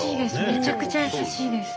めちゃくちゃ優しいです。